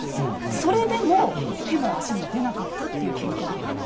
それでも手も足も出なかったっていう記録があるんです。